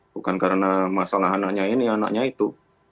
bukan karena masalah anaknya ini anaknya itu